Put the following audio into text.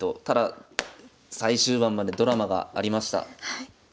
ただ最終盤までドラマがありました。